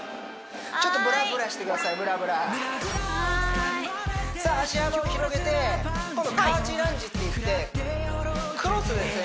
ちょっとブラブラしてくださいブラブラはいさあ足幅を広げて今度カーツィーランジっていってクロスですね